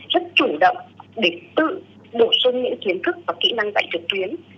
rất chủ động để tự bổ sung những kiến thức và kỹ năng dạy trực tuyến